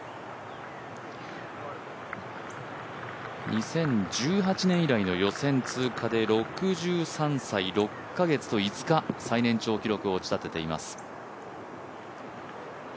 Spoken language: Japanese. ２０１８年以来の予選通過で６３歳、最年長記録を打ちたてています。